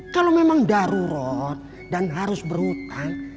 kalau memang darurat dan harus berhutang